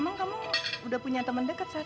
emang kamu udah punya temen dekat sat